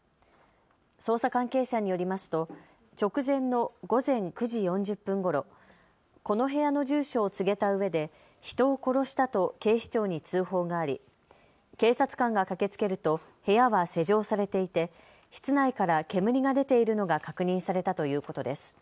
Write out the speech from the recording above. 捜査関係者によりますと直前の午前９時４０分ごろ、この部屋の住所を告げたうえで人を殺したと警視庁に通報があり警察官が駆けつけると部屋は施錠されていて室内から煙が出ているのが確認されたということです。